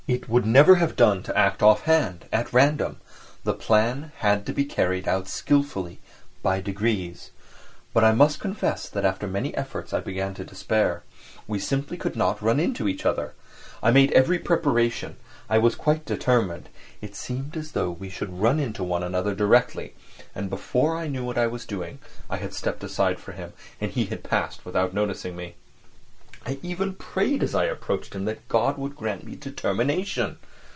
It would never have done to act offhand, at random; the plan had to be carried out skilfully, by degrees. But I must confess that after many efforts I began to despair: we simply could not run into each other. I made every preparation, I was quite determined—it seemed as though we should run into one another directly—and before I knew what I was doing I had stepped aside for him again and he had passed without noticing me. I even prayed as I approached him that God would grant me determination.